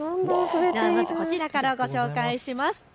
ではまずこちらからご紹介します。